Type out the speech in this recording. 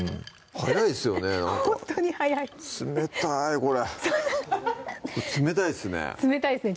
早いですよねなんかほんとに早い冷たいこれこれ冷たいですね冷たいですね